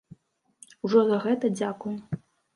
Ужо за гэта дзякуй.